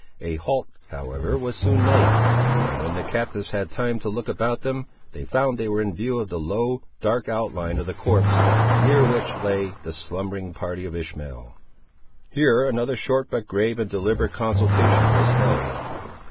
A halt, however, was soon made; and when the captives had time to look about them, they found they were in view of the low, dark outline of the copse, near which lay the slumbering party of Ishmael. Here another short but grave and deliberative consultation was held.